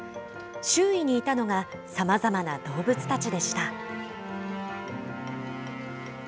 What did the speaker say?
周囲にいたのが、さまざまな動物たちでした。